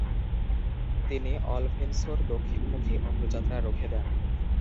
তিনি অলফেনসোর দক্ষিণমুখী অগ্রযাত্রা রুখে দেন।